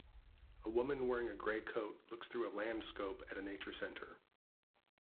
A woman wearing a gray coat looks through a Landscope at a nature center.